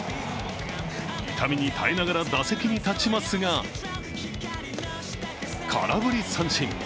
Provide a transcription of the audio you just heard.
痛みに耐えながら打席に立ちますが、空振り三振。